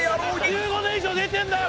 １５年以上出てるんだよ